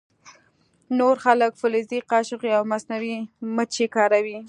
نور خلک فلزي قاشقې او مصنوعي مچۍ کاروي